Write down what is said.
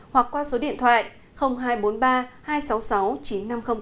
hoặc qua số điện thoại hai trăm bốn mươi ba hai trăm sáu mươi sáu chín nghìn năm trăm linh tám